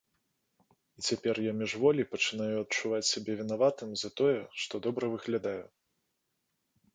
І цяпер я міжволі пачынаю адчуваць сябе вінаватым за тое, што добра выглядаю.